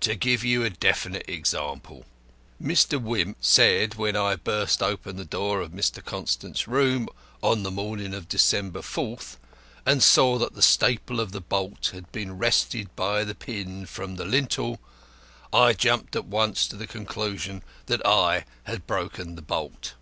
"To give you a definite example. Mr. Wimp says that when I burst open the door of Mr. Constant's room on the morning of December 4th, and saw that the staple of the bolt had been wrested by the pin from the lintel, I jumped at once to the conclusion that I had broken the bolt.